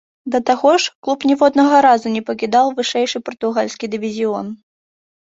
Да таго ж, клуб ніводнага разу не пакідаў вышэйшы партугальскі дывізіён.